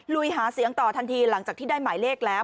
ลุยหาเสียงต่อทันทีหลังจากที่ได้หมายเลขแล้ว